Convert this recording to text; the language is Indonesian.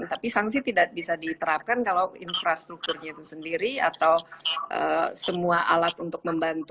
tapi sanksi tidak bisa diterapkan kalau infrastrukturnya itu sendiri atau semua alat untuk membantu